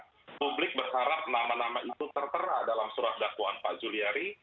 karena publik berharap nama nama itu tertera dalam surat dakwaan pak juliari